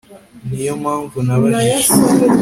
niyo mpamvu nabajije